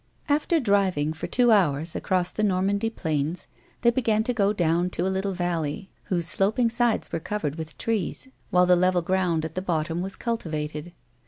After driving for two hours across the Normandy plains, they began to go down to a little valley, Avhose sloping sides were covered with trees^ while the level ground jat the bottom was cultivated.